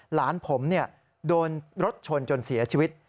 หลานผมโดนรถชนจนเสียชีวิต